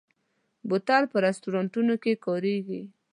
بوتل په رستورانتونو کې کارېږي.